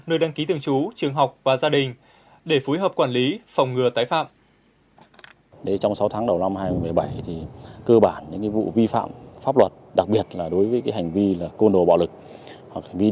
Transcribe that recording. nơi đăng ký thường trú trường học và gia đình để phối hợp quản lý phòng ngừa tái phạm